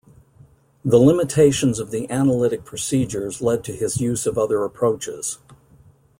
The limitations of the analytic procedures led to his use of other approaches.